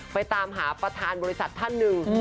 ไปตามหาประธานบริษัทท่านหนึ่ง